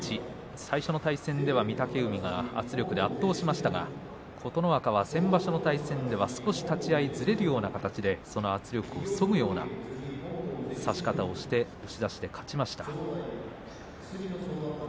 最初の対戦では御嶽海が圧力で圧倒しましたが琴ノ若は先場所の対戦では少し立ち合いずれるような形でその圧力をそぐような差し方をして押し出して勝ちました。